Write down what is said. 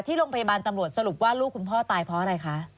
ที่โรงพยาบาลตำรวจสรุปว่าลูกคุณพ่อตายเพราะอะไรคะ